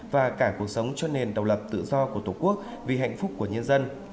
và cả cuộc sống cho nền độc lập tự do của tổ quốc vì hạnh phúc của nhân dân